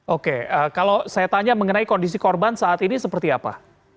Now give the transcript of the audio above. oke kalau saya tanya mengenai kondisi korban saat ini seperti apa